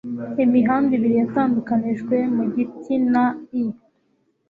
imihanda ibiri yatandukanijwe mu giti, na i